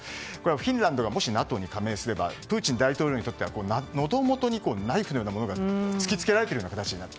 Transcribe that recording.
フィンランドがもしＮＡＴＯに加盟すればプーチン大統領にとってはのど元にナイフのようなものを突きつけられているような形になる。